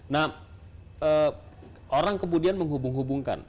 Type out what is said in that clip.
nah orang kemudian menghubung hubungkan